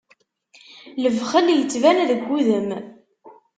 Lebxel ittban deg udem.